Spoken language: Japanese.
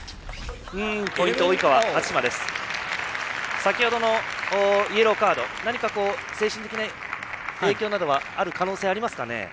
先ほどのイエローカード何か、精神的な影響などはある可能性はありますかね？